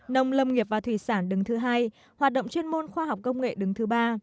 nông lâm nghiệp và thủy sản đứng thứ hai hoạt động chuyên môn khoa học công nghệ đứng thứ ba